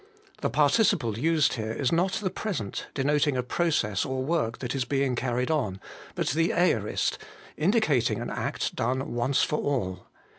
The participle used here is not the present, denoting a process or work that is being carried on, but the aorist, indicating an act done once for all.